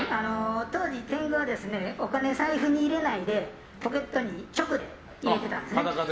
当時、天狗はお金、財布に入れないでポケットに直で入れてたんですね。